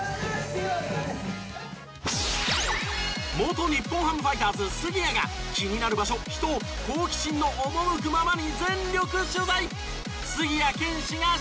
元日本ハムファイターズ杉谷が気になる場所人を好奇心の赴くままに全力取材。